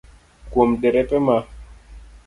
Kuom derepe ma